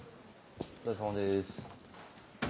お疲れさまです。